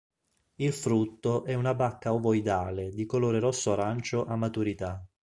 Il frutto è una bacca ovoidale di colore rosso-arancio a maturità.